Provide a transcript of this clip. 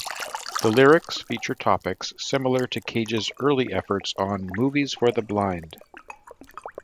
The lyrics feature topics similar to Cage's early efforts on Movies For the Blind.